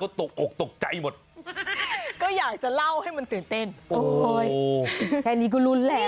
ก็ตกอกตกใจหมดก็อยากจะเล่าให้มันตื่นเต้นโอ้ยแค่นี้ก็ลุ้นแล้ว